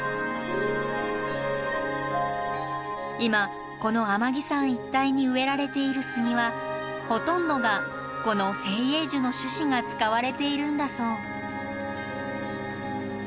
今この天城山一帯に植えられている杉はほとんどがこの精英樹の種子が使われているんだそう。